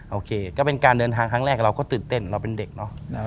โอเคก็เป็นการเดินทางครั้งแรกเราก็ตื่นเต้นเราเป็นเด็กเนอะ